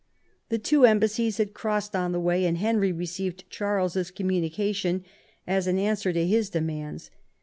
The two embassies had crossed on the way, and Henry received Charles's conmiunication as an answer to his demands.